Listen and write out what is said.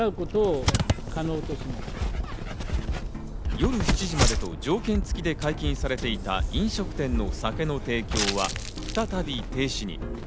夜７時までと条件付きで解禁されていた飲食店の酒の提供は再び停止に。